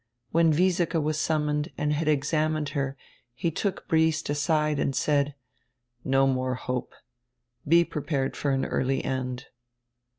When Wiesike was sum moned and had examined her he took Briest aside and said: "No more hope; be prepared for an early end."